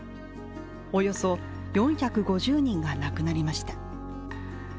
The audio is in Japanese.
およそ４５０人が亡くなりました。